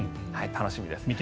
楽しみです。